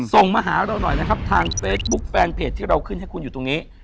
ส่งมาหาเราหน่อยนะครับทางเฟซบุ๊คแฟนเพจที่เราขึ้นให้คุณอยู่ตรงนี้